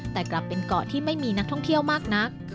แต่กลับเป็นเกาะที่ไม่มีนักท่องเที่ยวมากนัก